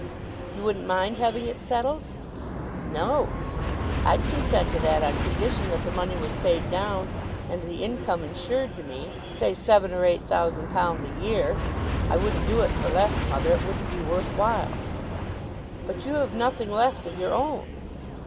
"You wouldn't mind having it settled?" "No; I'd consent to that on condition that the money was paid down, and the income insured to me, say £7,000 or £8,000 a year. I wouldn't do it for less, mother; it wouldn't be worth while." "But you have nothing left of your own."